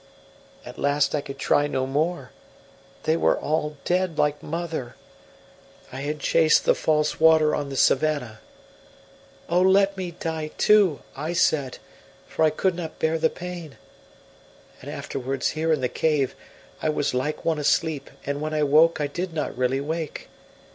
At last I could try no more; they were all dead like mother; I had chased the false water on the savannah. 'Oh, let me die too,' I said, for I could not bear the pain. And afterwards, here in the cave, I was like one asleep, and when I woke I did not really wake.